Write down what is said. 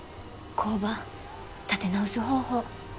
工場立て直す方法。